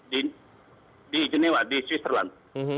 dan saya di jenewa di switzerland